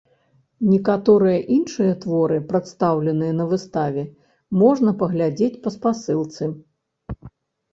Некаторыя іншыя творы, прадстаўленыя на выставе, можна паглядзець па спасылцы.